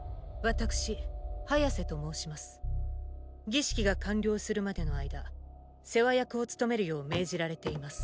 儀式が完了するまでの間世話役を務めるよう命じられています。